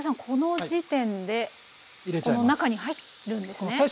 この中に入るんですね。